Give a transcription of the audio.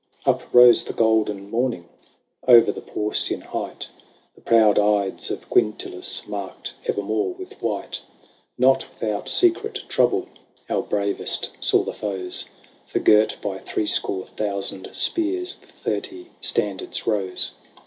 X. Up rose the golden morning Over the Porcian height. The proud Ides of Quintilis Marked evermore with white. 104 LAYS OF ANCIENT ROME. Not without secret trouble Our bravest saw the foes ; For girt by threescore thousand spears. The thirty standards rose.